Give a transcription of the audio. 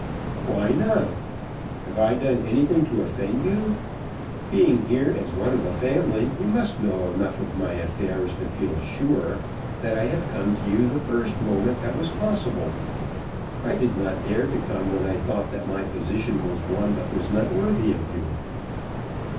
"Why not? Have I done anything to offend you? Being here as one of the family you must know enough of my affairs to feel sure, that I have come to you the first moment that was possible. I did not dare to come when I thought that my position was one that was not worthy of you."